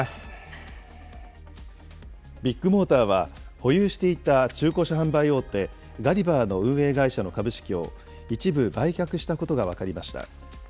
ビッグモーターは、保有していた中古車販売大手、ガリバーの運営会社の株式を、一部売却したことが分かりました。